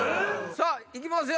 さぁ行きますよ